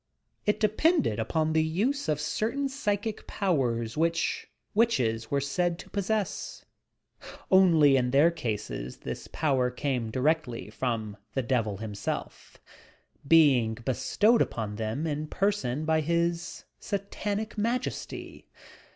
It depended upon the use of eerlain psychic powers which witches were said to possess, — only in their cases this power came directly from the "devil" himself, — being bestowed upon them in person by his Satanic Majesty